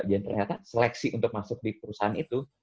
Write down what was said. dan ternyata seleksi untuk masuk di perusahaan itu